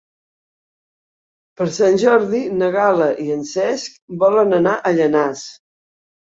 Per Sant Jordi na Gal·la i en Cesc volen anar a Llanars.